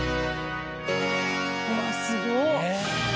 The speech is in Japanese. うわすごっ！